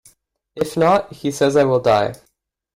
If not, he says I will die.